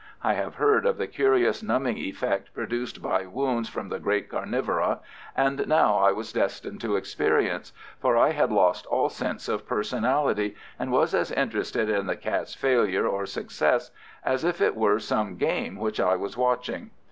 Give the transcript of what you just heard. I have heard of the curious numbing effect produced by wounds from the great carnivora, and now I was destined to experience it, for I had lost all sense of personality, and was as interested in the cat's failure or success as if it were some game which I was watching.